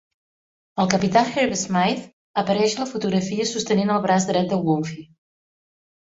El capità Hervey Smythe apareix a la fotografia sostenint el braç dret de Wolfe.